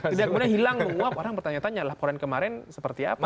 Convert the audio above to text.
tidak kemudian hilang menguap orang bertanya tanya laporan kemarin seperti apa